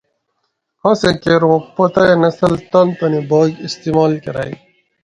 کاسیں کیر اوں پتے نسل تان تانی باگ استعمال کرئ